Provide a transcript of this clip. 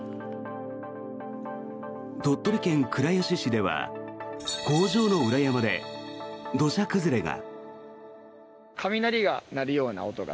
鳥取県倉吉市では工場の裏山で土砂崩れが。